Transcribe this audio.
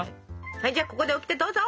はいじゃあここでオキテどうぞ！